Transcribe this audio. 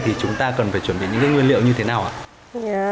thì chúng ta cần phải chuẩn bị những nguyên liệu như thế nào ạ